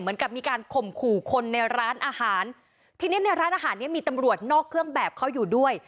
เหมือนกับมีการข่มขู่คนในร้านอาหารทีนี้ในร้านอาหารเนี้ยมีตำรวจนอกเครื่องแบบเขาอยู่ด้วย